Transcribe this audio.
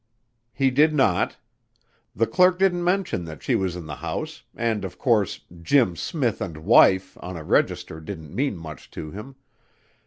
"He did not. The clerk didn't mention that she was in the house and of course 'Jim Smith and wife' on a register didn't mean much to him....